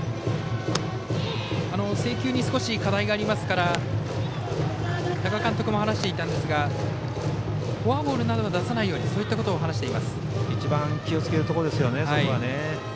制球に少し課題がありますから多賀監督も話していたんですがフォアボールなどは出さないようにといったことを一番気をつけるところです。